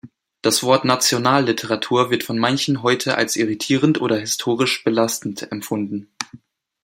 Das Wort „Nationalliteratur“ wird von manchen heute als irritierend oder historisch belastet empfunden.